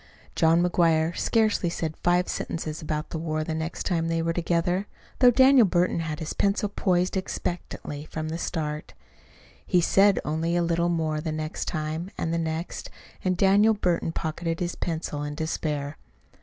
John McGuire scarcely said five sentences about the war the next time they were together, though Daniel Burton had his pencil poised expectantly from the start. He said only a little more the next time, and the next; and Daniel Burton pocketed his pencil in despair.